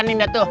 pak ini dia tuh